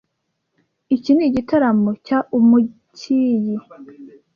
Iki nigitaramo cya Umu cyiyi